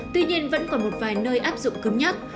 tuy nhiên vẫn còn một vài nơi áp dụng cứng nhắc